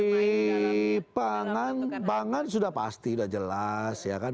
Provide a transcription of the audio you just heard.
di pangan sudah pasti sudah jelas ya kan